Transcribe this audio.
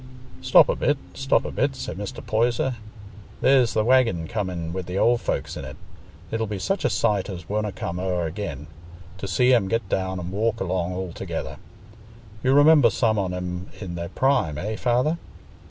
"Stop a bit, stop a bit," said Mr. Poyser. "There's th' waggin coming wi' th' old folks in't; it'll be such a sight as wonna come o'er again, to see 'em get down an' walk along all together. You remember some on 'em i' their prime, eh, Father?"